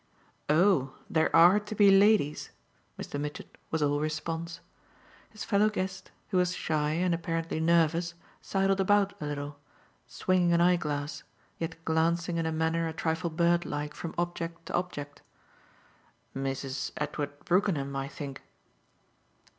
"Oh there ARE to be ladies?" Mr. Mitchett was all response. His fellow guest, who was shy and apparently nervous, sidled about a little, swinging an eye glass, yet glancing in a manner a trifle birdlike from object to object. "Mrs. Edward Brookenham I think."